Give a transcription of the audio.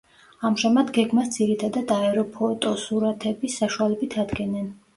ამჟამად გეგმას ძირითადად აეროფოტოსურათების საშუალებით ადგენენ.